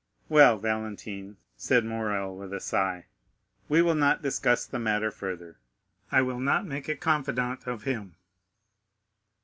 "Well, Valentine," said Morrel with a sigh, "we will not discuss the matter further. I will not make a confidant of him."